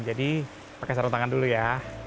jadi pakai sarung tangan dulu ya